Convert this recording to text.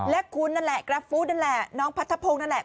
และคุณนั่นแหละกราฟฟู้ดนั่นแหละน้องพัทธพงศ์นั่นแหละ